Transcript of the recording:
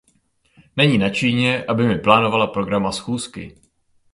Není na Číně, aby mi plánovala program a schůzky.